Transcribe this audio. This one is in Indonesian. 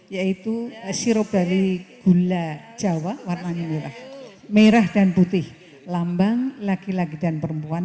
yaitu sirup dari gula jawa warna merah dan putih lambang laki laki dan perempuan